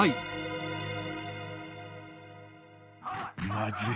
まずい。